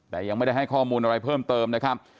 แต่ยังไม่ได้ให้ข้อมูลอะไรเพิ่มเติมนะครับ